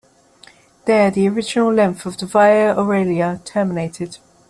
There the original length of the Via Aurelia terminated.